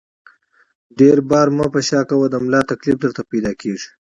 ډېر بار مه په شا کوه ، د ملا تکلیف درته پیدا کېږي!